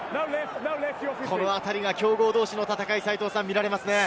この辺りが強豪同士の戦いですね。